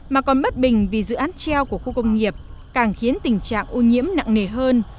mà còn bất bình vì dự án treo của khu công nghiệp càng khiến tình trạng ô nhiễm nặng nề hơn